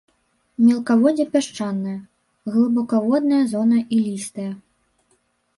Мелкаводдзе пясчанае, глыбакаводная зона ілістая.